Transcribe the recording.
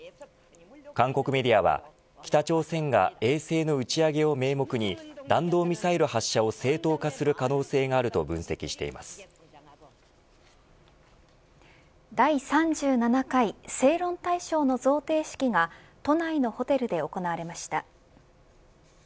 韓国メディアは北朝鮮が衛星の打ち上げを名目に弾道ミサイル発射を正当化する可能性があると第３７回正論大賞の贈呈式が都内のホテルで行われました。